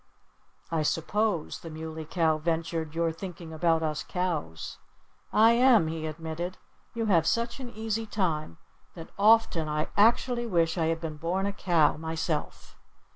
"I suppose," the Muley Cow ventured, "you're thinking about us cows." "I am," he admitted. "You have such an easy time that often I actually wish I had been born a cow myself."